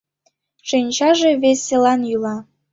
Шинчаже веселан йӱла.